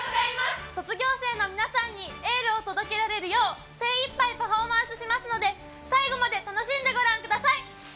卒業生の皆さんにエールを届けられるよう精一杯パフォーマンスしますので最後まで楽しんでご覧ください。